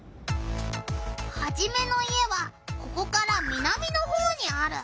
ハジメの家はここから南のほうにある。